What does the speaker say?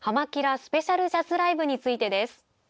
スペシャルジャズライブについてです。